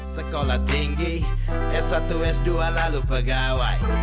sekolah tinggi s satu s dua lalu pegawai